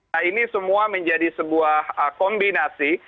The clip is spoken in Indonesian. nah ini semua menjadi sebuah kombinasi